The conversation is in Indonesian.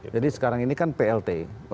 jadi sekarang ini kan plt